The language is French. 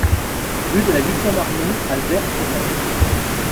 Rue de la Huitième Armée à Ver-sur-Mer